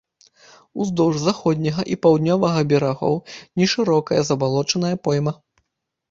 Уздоўж заходняга і паўднёвага берагоў нешырокая забалочаная пойма.